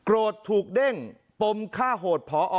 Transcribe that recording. โรธถูกเด่งปมฆ่าหดพอ